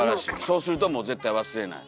そうするともう絶対忘れない。